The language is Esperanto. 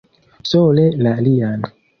Sole la lian.